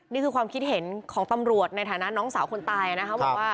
นี่คือความคิดเห็นของตำรวจในฐานะน้องสาวคนตายนะคะบอกว่า